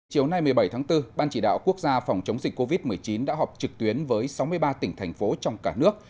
chiều nay một mươi bảy tháng bốn ban chỉ đạo quốc gia phòng chống dịch covid một mươi chín đã họp trực tuyến với sáu mươi ba tỉnh thành phố trong cả nước